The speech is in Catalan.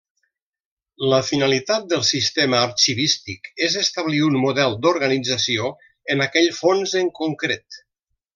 La finalitat del sistema arxivístic és establir un model d'organització en aquell fons en concret.